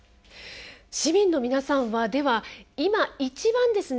市民の皆さんは今、一番ですね